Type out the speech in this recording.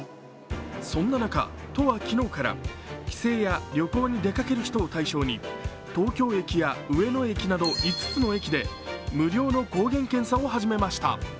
そんな中、都は昨日から帰省や旅行に出かける人を対象に東京駅や上野駅など５つの駅で無料の抗原検査を始めました。